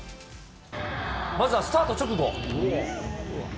まずはスタート直後。